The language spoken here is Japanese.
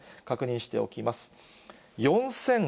確認しておきます。